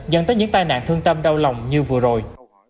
dẫn tới những tai nạn thương tâm đau lòng như vừa rồi